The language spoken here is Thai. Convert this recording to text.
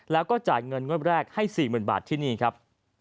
แล้วก็จ่ายเงินงวดแรกให้๔๐๐๐บาทที่นี่ครับ